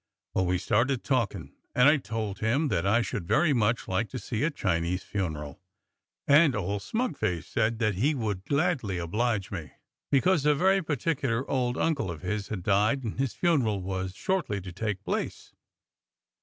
Well, we started talkin' and I told him that I should very much like to see a Chinese funeral, and old smug face said that he would gladly oblige me, because a very partic ular old uncle of his had died and his funeral was shortly to take place.